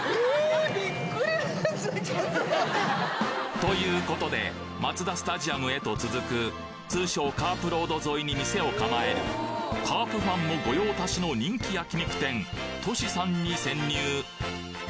ということでＭＡＺＤＡスタジアムへと続く通称カープロード沿いに店を構えるカープファンも御用達の人気焼き肉店敏さんに潜入